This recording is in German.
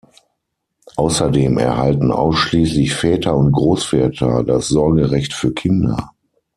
Außerdem erhalten ausschließlich Väter und Großväter das Sorgerecht für Kinder.